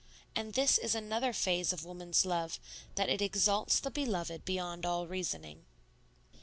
And this is another phase of woman's love, that it exalts the beloved beyond all reasoning.